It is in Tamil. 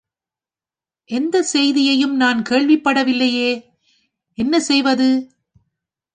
எந்தச் செய்தியையும் நான் கேள்விப்படவில்லையே? என்ன செய்வது?